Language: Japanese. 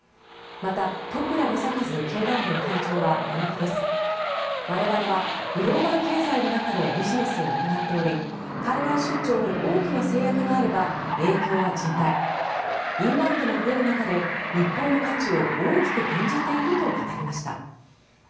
また、十倉雅和経団連会長は７日我々はグローバル経済の中でビジネスを行っており海外出張に大きな制約があれば影響は甚大インバウンドも増える中で日本の価値を大きく減じていると語りました。